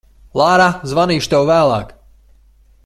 Lara, zvanīšu tev vēlāk.